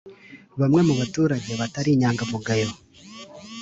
Bamwe mu baturage batari inyangamugayo